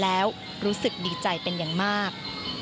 แล้วรู้สึกดีใจเป็นอย่างมาก